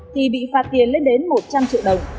thì bị phạt tiền lên đến một trăm linh triệu đồng